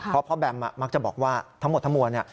เพราะพ่อแบมมักจะบอกว่าทั้งหมดทั้งมวลเนี่ย